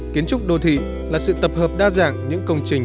kiến trúc đô thị là sự tập hợp đa dạng những công trình